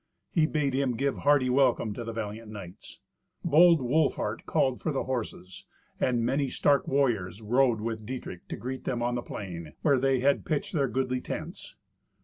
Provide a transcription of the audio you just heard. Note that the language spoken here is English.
He bade him give hearty welcome to the valiant knights. Bold Wolfhart called for the horses, and many stark warriors rode with Dietrich to greet them on the plain, where they had pitched their goodly tents.